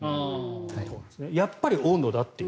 やっぱり温度だという。